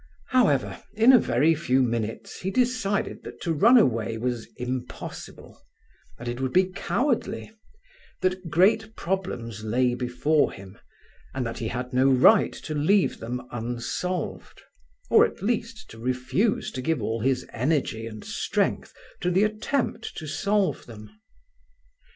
However, in a very few minutes he decided that to run away was impossible; that it would be cowardly; that great problems lay before him, and that he had no right to leave them unsolved, or at least to refuse to give all his energy and strength to the attempt to solve them.